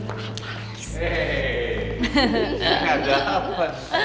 kayaknya gak ada apa apa